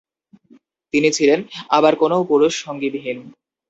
তিনি ছিলেন আবার কোনও পুরুষ সঙ্গীবিহীন ।